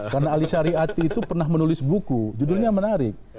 karena alisari ati itu pernah menulis buku judulnya menarik